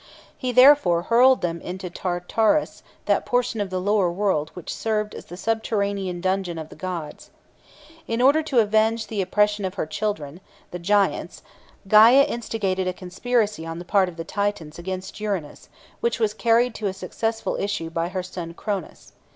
He therefore hurled them into Tartarus, that portion of the lower world which served as the subterranean dungeon of the gods. In order to avenge the oppression of her children, the Giants, Gæa instigated a conspiracy on the part of the Titans against Uranus, which was carried to a successful issue by her son Cronus.